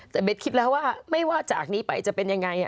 แต่เบสคิดแล้วว่าไม่ว่าจากนี้ไปจะเป็นยังไง